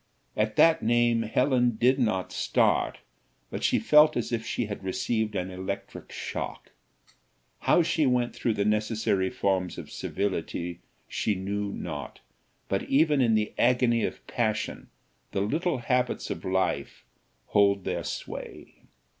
At that name Helen did not start, but she felt as if she had received an electric shock. How she went through the necessary forms of civility she knew not; but even in the agony of passion the little habits of life hold their sway.